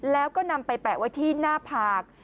แล้วก็นำไปแปะไว้ที่หน้าผาก